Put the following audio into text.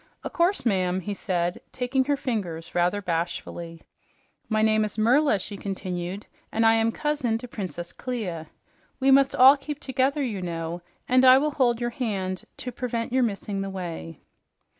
"Of course, ma'am," he said, taking her fingers rather bashfully. "My name is Merla," she continued, "and I am cousin to Princess Clia. We must all keep together, you know, and I will hold your hand to prevent your missing the way."